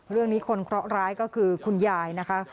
คนนี้คนเคราะหร้ายก็คือคุณยายนะคะ